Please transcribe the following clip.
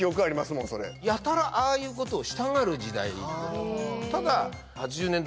もんそれやたらああいうことをしたがる時代